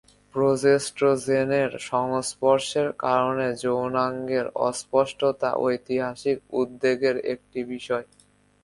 প্রোজেস্টোজেনের সংস্পর্শের কারণে যৌনাঙ্গের অস্পষ্টতা ঐতিহাসিক উদ্বেগের একটি বিষয়।